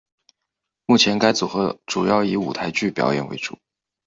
目前该组合主要以舞台剧表演为主。